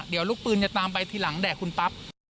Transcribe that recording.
หลูกปืนจะตามไปทีหลังแด่คุณปั๊บ